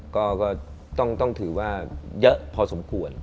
ก็ต้องถือว่าเยอะพอสมควร